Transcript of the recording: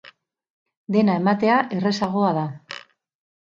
Dena ematea errazagoa da.